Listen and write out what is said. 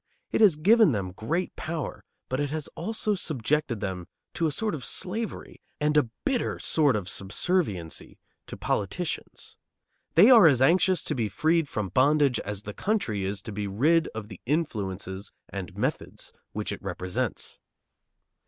It has given them great power, but it has also subjected them to a sort of slavery and a bitter sort of subserviency to politicians. They are as anxious to be freed from bondage as the country is to be rid of the influences and methods which it represents.